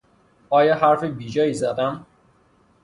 آیا حرف بیجایی زدم؟